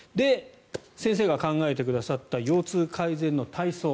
先生が考えてくださった腰痛改善の体操。